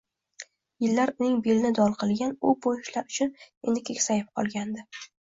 Yillar uning belini dol qilgan, u bu ishlar uchun endi keksayib qolgandi